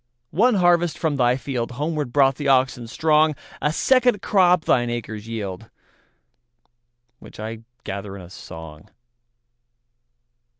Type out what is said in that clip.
One harvest from thy fieldHomeward brought the oxen strong;A second crop thine acres yield, Which I gather in a song.